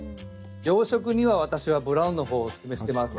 洋食なら私はブラウンの方をおすすめしています。